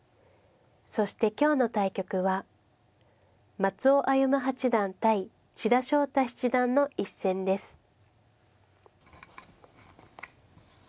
そして今日の対局は松尾歩八段対千田翔太七段の一戦です。